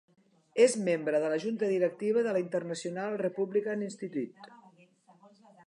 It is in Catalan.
És membre de la junta directiva de l'International Republican Institute.